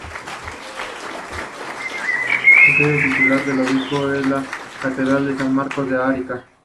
La sede titular del obispo es la catedral de San Marcos de Arica.